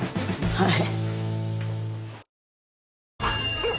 はい。